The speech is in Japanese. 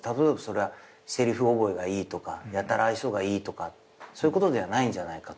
せりふ覚えがいいとかやたら愛想がいいとかそういうことではないんじゃないかと。